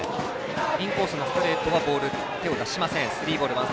インコースのストレートは手を出しません。